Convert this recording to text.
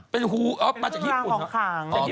เป็นคุณเอ้ามาจากญี่ปุ่นหรอเป็นเครื่องร้างของขาง